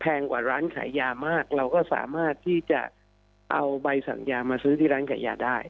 กว่าร้านขายยามากเราก็สามารถที่จะเอาใบสั่งยามาซื้อที่ร้านขายยาได้